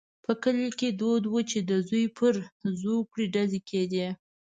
په کلي کې دود وو چې د زوی پر زوکړه ډزې کېدې.